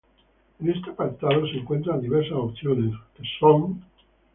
En este apartado, se encuentran diversas opciones, que son